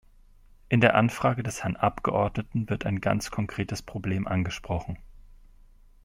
In der Anfrage des Herrn Abgeordneten wird ein ganz konkretes Problem angesprochen.